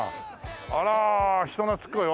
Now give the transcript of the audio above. あら人懐っこい。